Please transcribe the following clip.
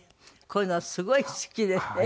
こういうのすごい好きでね。